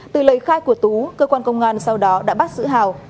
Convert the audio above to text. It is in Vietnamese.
từ lời khai của tú cơ quan công an sau đó đã bắt giữ hào